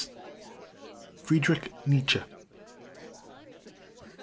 FRIEDERICH NIETZSCHE.